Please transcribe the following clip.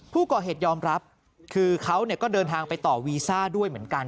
ผู้ก่อเหตุยอมรับคือเขาก็เดินทางไปต่อวีซ่าด้วยเหมือนกัน